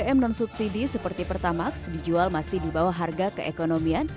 pertamax yang non subsidi seperti pertamax dijual masih di bawah harga keekonomian